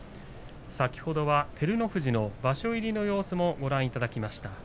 先ほどは照ノ富士の場所入りの様子をご覧いただきました。